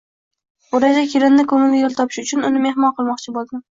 Bo’lajak kelinni ko’ngliga yo’l topish uchun, uni mehmon qilmoqchi bo’ldim.